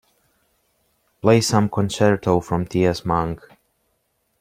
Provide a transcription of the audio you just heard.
Play some concerto from T. S. Monk.